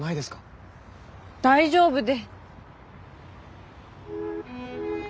大丈夫で。